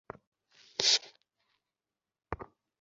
সোমবার সকালে তারেক ও শাওন বাড়ি থেকে খেলার উদ্দেশে বের হয়।